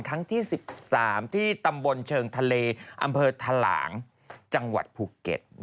ครั้งที่๑๓ที่ตำบลเชิงทะเลอำเภอทะหลางจังหวัดภูเก็ต